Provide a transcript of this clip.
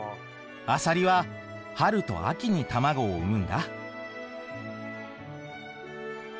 アサリは春と秋に卵を産むんだ。